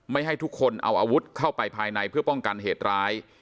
ให้ทุกคนเอาอาวุธเข้าไปภายในเพื่อป้องกันเหตุร้าย